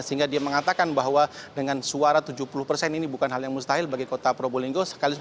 sehingga dia mengatakan bahwa dengan suara tujuh puluh persen ini bukan hal yang mustahil bagi kota probolinggo